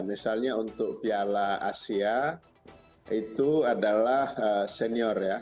misalnya untuk piala asia itu adalah senior ya